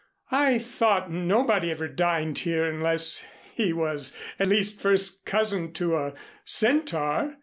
"I thought nobody ever dined here unless he was at least first cousin to a Centaur."